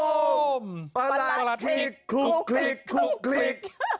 โอ้มประรัติคิกคุกคิกคุกคิก